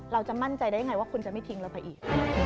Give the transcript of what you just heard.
เราจะมั่นใจได้ยังไงว่าคุณจะไม่ทิ้งเราไปอีก